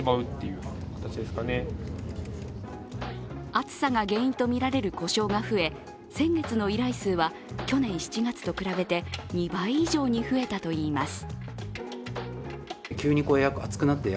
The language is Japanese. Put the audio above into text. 暑さが原因とみられる故障が増え先月の依頼数は去年７月と比べて２倍以上に増えたといいます。